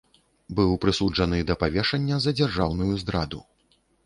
Быў прысуджаны да павешання за дзяржаўную здраду.